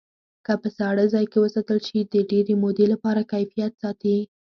که په ساړه ځای کې وساتل شي د ډېرې مودې لپاره کیفیت ساتي.